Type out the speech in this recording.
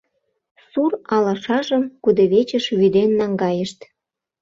Сур алашажым кудывечыш вӱден наҥгайышт.